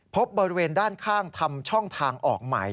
พบบริเวณด้านข้างทำช่องทางออกใหม่